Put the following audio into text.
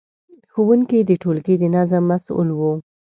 ښوونکي د ټولګي د نظم مسؤل وو.